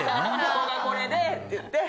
ここがこれでって言って。